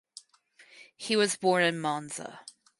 He was born in Monza.